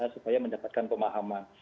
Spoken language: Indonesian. supaya mendapatkan pemahaman